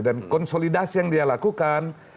dan konsolidasi yang dia lakukan